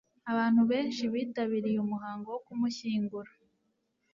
abantu benshi bitabiriye umuhango wo kumushyingura